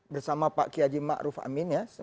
bersama pak kiyaji ma'ruf amin ya